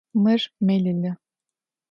Mır melılı.